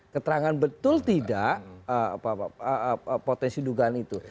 keterangan betul tidak potensi dugaan itu